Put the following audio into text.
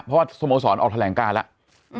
เพราะว่าสโมสรออกแถลงการแล้ว